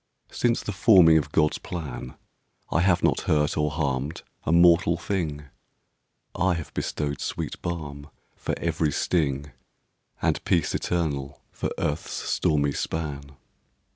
Since the forming of God's plan I have not hurt or harmed a mortal thing, I have bestowed sweet balm for every sting, And peace eternal for earth's stormy span.